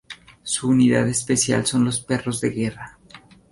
Su unidad especial son los perros de guerra.